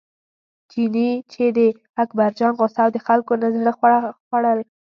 چیني چې د اکبرجان غوسه او د خلکو نه زړه خوړل.